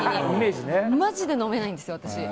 マジで飲めないんです、私。